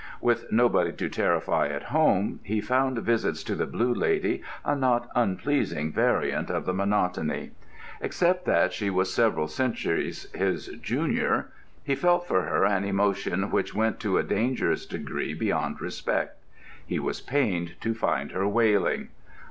With nobody to terrify at home, he found visits to the Blue Lady a not unpleasing variant of the monotony. Except that she was several centuries his junior, he felt for her an emotion which went to a dangerous degree beyond respect. He was pained to find her wailing.